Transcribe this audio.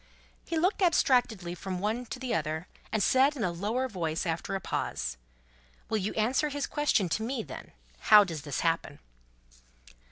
He looked abstractedly from one to another, and said, in a lower voice, after a pause: "Will you answer his question to me then? How does this happen?"